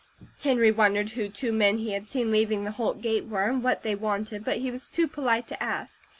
Henry wondered who two men he had seen leaving the Holt gate were, and what they wanted, but he was too polite to ask.